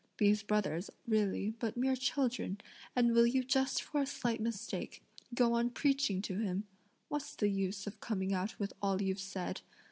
These brothers are, really, but mere children, and will you just for a slight mistake, go on preaching to him! what's the use of coming out with all you've said?